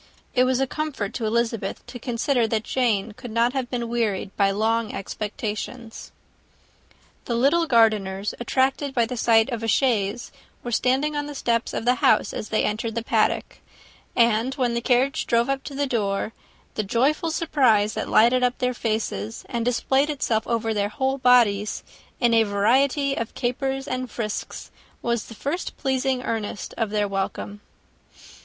It was a comfort to Elizabeth to consider that Jane could not have been wearied by long expectations. The little Gardiners, attracted by the sight of a chaise, were standing on the steps of the house, as they entered the paddock; and when the carriage drove up to the door, the joyful surprise that lighted up their faces and displayed itself over their whole bodies, in a variety of capers and frisks, was the first pleasing earnest of their welcome.